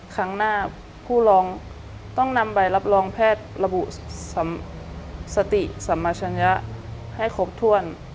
ครั้งหน้าผู้ร้องต้องนำใบรับรองแพทย์ระบุสติสัมมาชัญญะให้ครบถ้วน